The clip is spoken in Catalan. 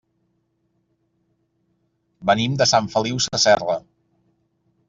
Venim de Sant Feliu Sasserra.